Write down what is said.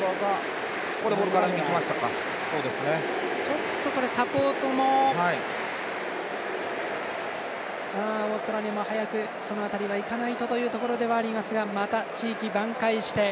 ちょっと、サポートもオーストラリアも早くその辺りはいかないとというところですがまた地域挽回して。